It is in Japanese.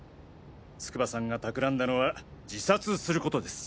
筑波さんが企んだのは自殺することです。